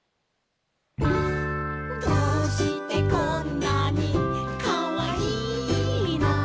「どうしてこんなにかわいいの」